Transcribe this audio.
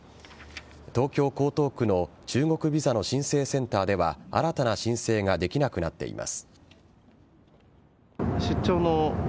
東京・江東区の中国ビザの申請センターでは新たな申請ができなくなっています。